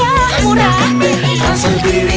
yuk transfer clearing dengan sknbi